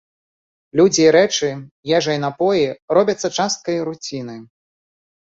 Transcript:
Людзі і рэчы, ежа і напоі робяцца часткай руціны.